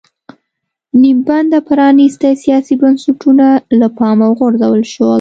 نیم بنده پرانېستي سیاسي بنسټونه له پامه وغورځول شول.